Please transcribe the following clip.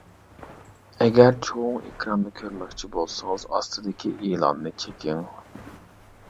ئەگەر چوڭ ئېكراندا كۆرمەكچى بولسىڭىز، ئاستىدىكى ئېلاننى چېكىڭ.